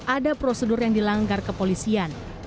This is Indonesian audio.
ada prosedur yang dilanggar kepolisian